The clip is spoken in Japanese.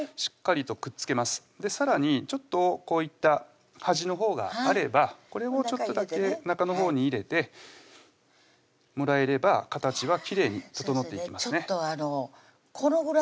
さらにちょっとこういった端のほうがあればこれをちょっとだけ中のほうに入れてもらえれば形はきれいに整っていきますね先生ね